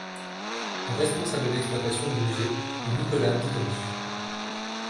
Le responsable d'exploitation du musée est Nicolas Diederichs.